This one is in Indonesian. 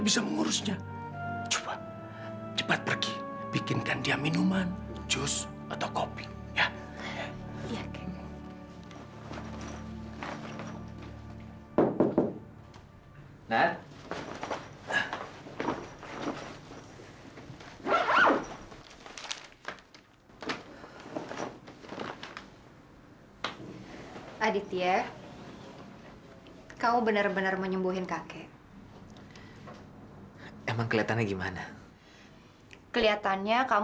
sampai jumpa di video selanjutnya